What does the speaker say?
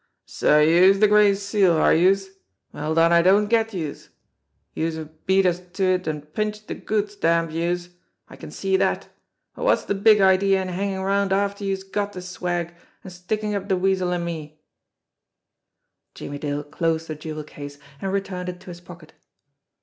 "So youse're de Gray Seal, are youse ? Well, den, I don't get youse! Youse've beat us to it an' pinched de goods, damn youse! I can see dat! But wot's de big idea in hangin' around after youse've got de swag, an' stickin' up de Weasel an' me?" Jimmie Dale closed the jewel case, and returned it to his pocket.